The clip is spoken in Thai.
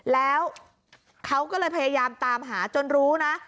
แล้วเขาก็เลยพยายามตามหาจนรู้นะ